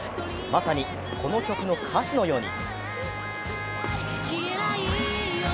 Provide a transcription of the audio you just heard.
まさに、この曲の歌詞のように。